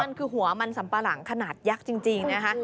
มันคือหัวมันสัมปะหลังขนาดยักษ์จริงนะคะ